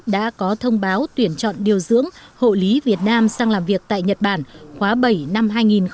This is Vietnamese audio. đã có thông báo tuyển chọn điều dưỡng hộ lý việt nam sang làm việc tại nhật bản khóa bảy năm hai nghìn một mươi tám